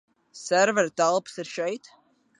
Servera telpas ir šeit?